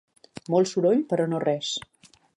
Molt soroll per a no res.